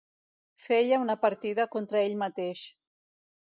Feia una partida contra ell mateix.